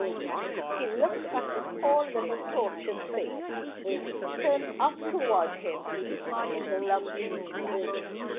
He looked at the poor little tortured face, turned up toward him in the lovely moonlight.